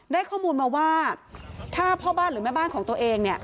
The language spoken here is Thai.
ได้ข้อมูลมาว่าถ้าพ่อบ้านหรือแม่บ้านของตัวเองเนี่ย